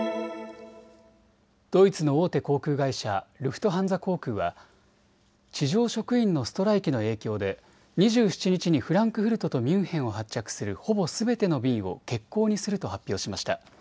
ドイツの大手航空会社、ルフトハンザ航空は地上職員のストライキの影響で２７日にフランクフルトとミュンヘンを発着するほぼすべての便を欠航にすると発表しました。